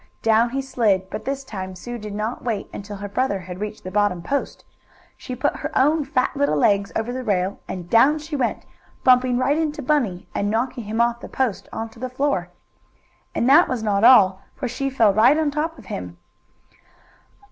Down he slid, but this time Sue did not wait until her brother had reached the bottom post. She put her own fat little legs over the rail, and down she went, bumping right into Bunny and knocking him off the post on to the floor. And, that was not all, for she fell right on top of him.